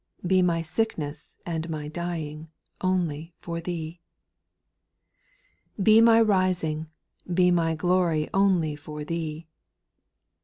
Be my sickness and my dying Only for Thee. ; 7. Be my rising, be my glory Only for Thee.